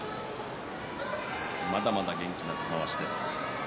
まだまだ元気な玉鷲です。